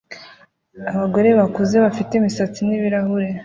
Abagore bakuze bafite imisatsi n'ibirahure